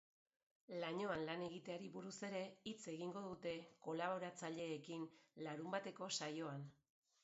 Lainoan lan egiteari buruz ere hitz egingo dute kolaboratzaileekin larunbateko saioan.